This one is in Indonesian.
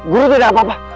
guru tidak ada apa apa